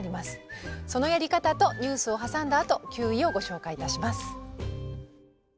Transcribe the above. そのやり方とニュースを挟んだあと９位をご紹介いたします。